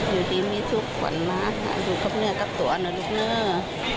อยู่ที่มีซุปฝนมาหาดูครับเนี่ยกับตัวหน่อยดูเนี่ย